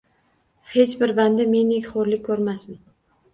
Hech bir banda mendek xorlik ko`rmasin